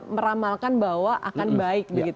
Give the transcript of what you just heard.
meramalkan bahwa akan baik